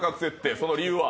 その理由は？